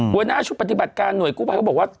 บริษัทปฏิบัติการหน่วยกุบัยเขาบอกว่า